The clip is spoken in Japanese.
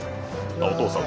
あお父さん。